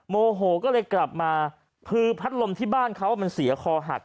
โมโหก็เลยกลับมาคือพัดลมที่บ้านเขามันเสียคอหัก